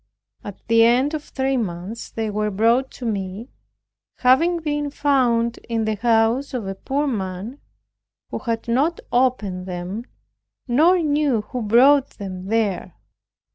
At the end of three months they were brought to me, having been found in the house of a poor man, who had not opened them, nor knew who brought them there.